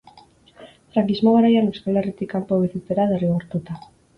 Frankismo garaian Euskal Herritik kanpo bizitzera derrigortuta.